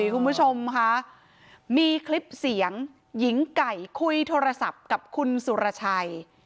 คุณผู้ชมค่ะมีคลิปเสียงหญิงไก่คุยโทรศัพท์กับคุณสุรชัย